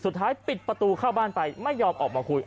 สุดท้ายปิดประตูเข้าบ้านไปไม่ยอมออกมาคุย